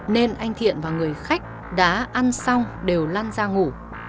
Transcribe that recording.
nên anh thiện và người khách đã ăn xong đều lăn ra ngủ